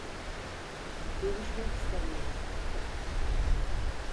Dövüşmek istemiyorum.